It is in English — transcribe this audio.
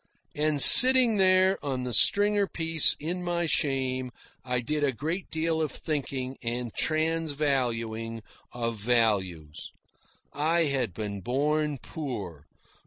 And sitting there on the stringer piece in my shame, I did a great deal of thinking and transvaluing of values. I had been born poor.